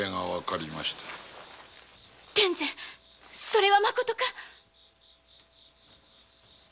それはまことか！？